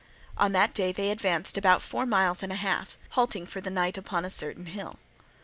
On that day they advanced about four miles and a half, halting for the night upon a certain hill.